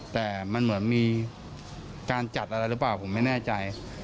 แต่มันเหมือนมีการจัดอะไรหรือเปล่าผมไม่แน่ใจ